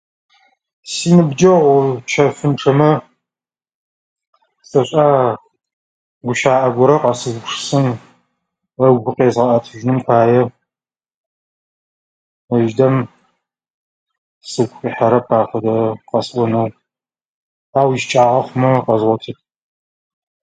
Синыбджэгъу чэфынчъэмэ сэшӏа. Гущаӏэ горэ къэсыугупшысын ыгу къезгъэӏэтыжьыным пае. Ыжьыдэм сыгу къихьэрэп а фэдэ къэсӏоноу. Ау ищыкӏагъэ хъумэ къэзгъотыт.